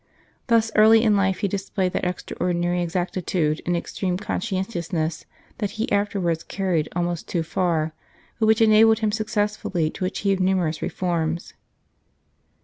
Thus early in life he displayed that extraordinary exacti tude and extreme conscientiousness that he after wards carried almost too far, but which enabled him successfully to achieve numerous reforms.